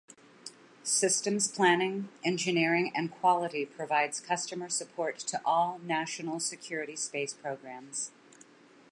Systems Planning, Engineering and Quality provides customer support to all national-security space programs.